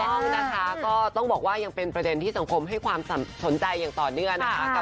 ต้องนะคะก็ต้องบอกว่ายังเป็นประเด็นที่สังคมให้ความสนใจอย่างต่อเนื่องนะคะ